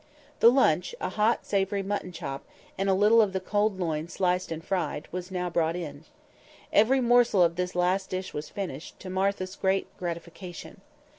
The lunch—a hot savoury mutton chop, and a little of the cold loin sliced and fried—was now brought in. Every morsel of this last dish was finished, to Martha's great gratification.